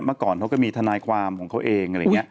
เมื่อก่อนเขาก็มีทนายความของเขาเอง